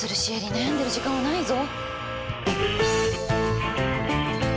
悩んでる時間はないぞ。